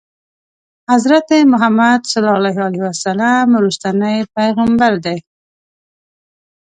حضرت محمد صلی الله علیه وسلم وروستنی پیغمبر دی.